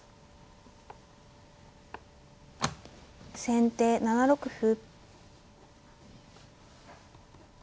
先手７六歩。